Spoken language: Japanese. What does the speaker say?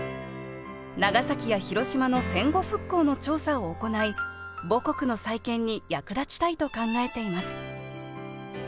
長崎や広島の戦後復興の調査を行い母国の再建に役立ちたいと考えています